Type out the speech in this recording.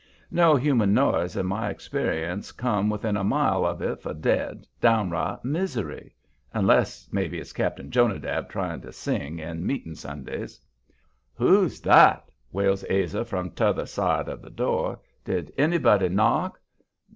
No human noise in my experience come within a mile of it for dead, downright misery unless, maybe, it's Cap'n Jonadab trying to sing in meeting Sundays. "Who's that?" wails Ase from 'tother side of the door. "Did anybody knock?"